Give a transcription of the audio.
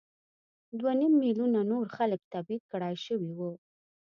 دوه نیم میلیونه نور خلک تبعید کړای شوي وو.